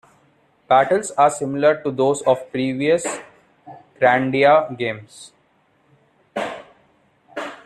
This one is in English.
Battles are similar to those of the previous Grandia games.